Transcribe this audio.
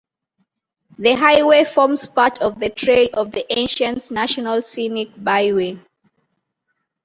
The highway forms part of the Trail of the Ancients National Scenic Byway.